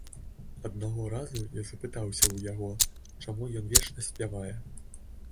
Аднаго разу я запытаўся ў яго, чаму ён вечна спявае.